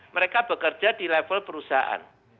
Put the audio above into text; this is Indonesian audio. mereka bekerja di level perusahaan